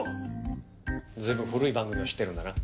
随分古い番組を知ってるんだな。